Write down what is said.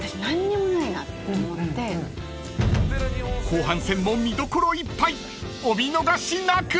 ［後半戦も見どころいっぱいお見逃しなく］